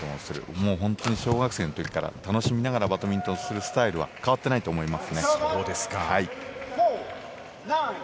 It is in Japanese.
もう本当に小学生の時から楽しみながらバドミントンをするスタイルは変わってないと思います。